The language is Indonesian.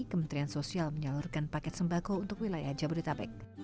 kementerian sosial menyalurkan paket sembako untuk wilayah jabodetabek